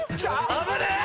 危ねえ！